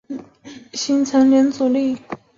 形成连任阻力。